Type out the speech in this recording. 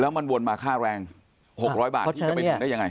แล้วมันบวนมาค่าแรง๖๐๐บาทนี่จะไปแบ่งได้อย่างไร